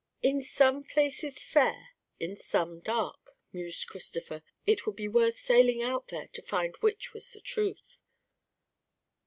"In some places fair, in some dark," mused Christopher. "It would be worth sailing out there to find which was the truth."